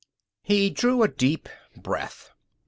He drew a deep breath.